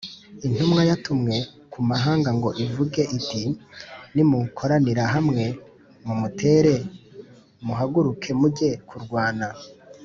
intumwa yatumwe ku mahanga ngo ivuge iti “nimukoranire hamwe mumutere muhaguruke mujye kurwana”